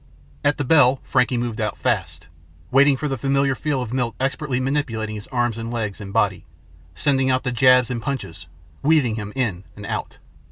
At the bell, Frankie moved out fast, waiting for the familiar feel of Milt expertly manipulating his arms and legs and body; sending out the jabs and punches; weaving him in and out.